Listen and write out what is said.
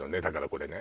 これね